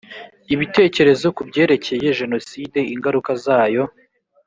ibitekerezo ku byerekeye jenoside ingaruka zayo